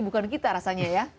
bukan kita rasanya ya